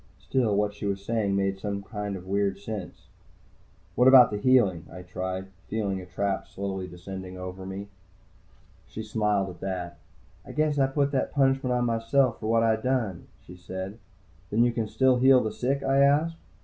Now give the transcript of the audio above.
Still, what she was saying made some weird kind of sense. "What about the healing?" I tried, feeling a trap slowly descending over me. She smiled at that. "I guess I put that punishment on myself for what I done," she said. "Then you can still heal the sick?" I asked.